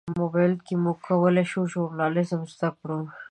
موبایل کې موږ کولی شو ژورنالیزم زده کړو.